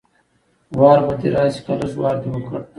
وار به دې راشي که لږ وار دې وکړ